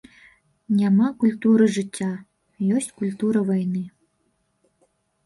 Няма культуры жыцця, ёсць культура вайны.